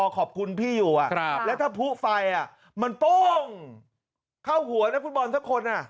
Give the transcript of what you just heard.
ขอบคุณพี่อยู่อ่ะครับแล้วถ้าผู้ไฟอ่ะมันต้งเข้าหัวนักฟุตบอลทั้งคนอ่ะ